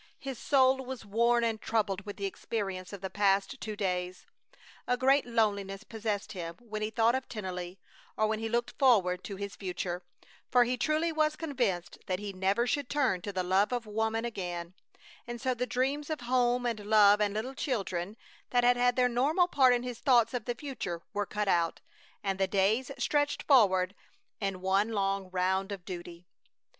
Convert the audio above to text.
His soul was worn and troubled with the experience of the past two days. A great loneliness possessed him when he thought of Tennelly, or when he looked forward to his future, for he truly was convinced that he never should turn to the love of woman again; and so the dreams of home and love and little children that had had their normal part in his thoughts of the future were cut out, and the days stretched forward in one long round of duty.